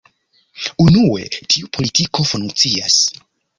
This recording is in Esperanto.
Unue, tiu politiko funkcias.